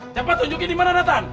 cepet tunjukin dimana nathan